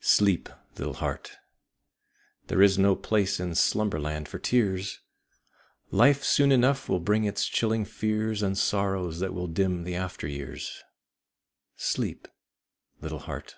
Sleep, little heart! There is no place in Slumberland for tears: Life soon enough will bring its chilling fears And sorrows that will dim the after years. Sleep, little heart!